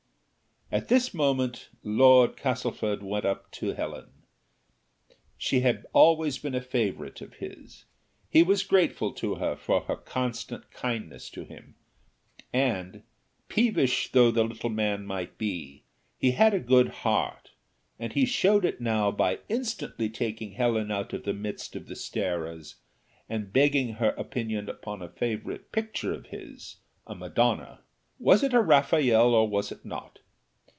At this moment Lord Castlefort went up to Helen; she had always been a favourite of his; he was grateful to her for her constant kindness to him, and, peevish though the little man might be, he had a good heart, and he showed it now by instantly taking Helen out of the midst of the starers, and begging her opinion upon a favourite picture of his, a Madonna. Was it a Raffaelle, or was it not?